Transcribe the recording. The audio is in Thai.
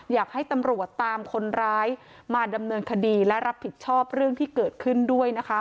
อยากให้ตำรวจตามคนร้ายมาดำเนินคดีและรับผิดชอบเรื่องที่เกิดขึ้นด้วยนะคะ